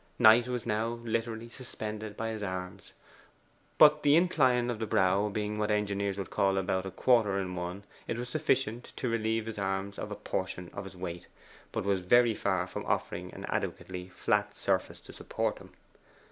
Knight was now literally suspended by his arms; but the incline of the brow being what engineers would call about a quarter in one, it was sufficient to relieve his arms of a portion of his weight, but was very far from offering an adequately flat face to support him.